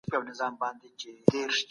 د حج دپاره تاسي باید خپلي هڅې جاري وساتئ.